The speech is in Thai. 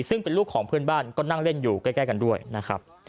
ซึ่งเป็นลูกของเพื่อนบ้านก็นั่งเล่นอยู่ใกล้กันด้วยนะครับ